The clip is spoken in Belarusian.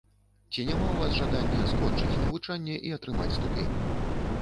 Ці няма ў вас жадання скончыць навучанне і атрымаць ступень?